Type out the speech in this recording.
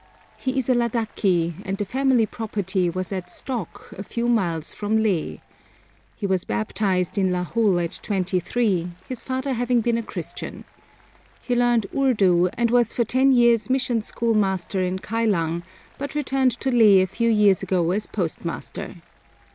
He is a Ladaki, and the family property was at Stok, a few miles from Leh. He was baptized in Lahul at twenty three, his father having been a Christian. He learned Urdu, and was for ten years mission schoolmaster in Kylang, but returned to Leh a few years ago as postmaster.